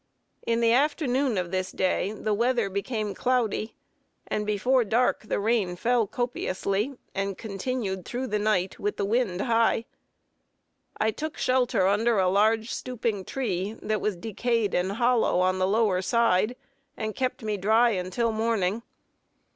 In the afternoon of this day the weather became cloudy, and before dark the rain fell copiously, and continued through the night, with the wind high. I took shelter under a large stooping tree that was decayed and hollow on the lower side, and kept me dry until morning.